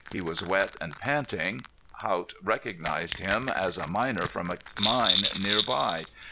He was wet and panting. Haught recognized him as a miner from a mine nearby.